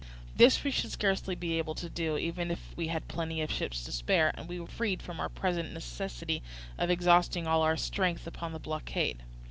"This we should scarcely be able to do, even if we had plenty of ships to spare, and were freed from our present necessity of exhausting all our strength upon the blockade.